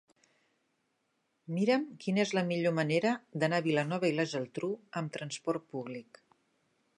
Mira'm quina és la millor manera d'anar a Vilanova i la Geltrú amb trasport públic.